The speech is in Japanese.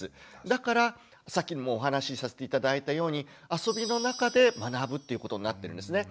だからさっきもお話しさせて頂いたように「遊びのなかで学ぶ」ということになってるんですね。